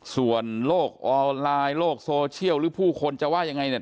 ส่วนโลกออนไลน์โลกโซเชียลหรือผู้คนจะว่ายังไงเนี่ย